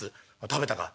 「食べたか」。